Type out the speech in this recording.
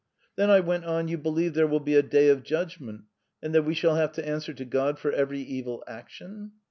"Then," I went on, "you believe there will be a day of judgment, and that we shall have to answer to God for every evil action?"